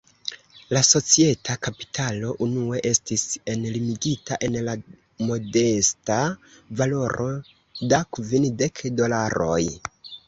La societa kapitalo, unue estis enlimigita en la modesta valoro da kvindek dolaroj.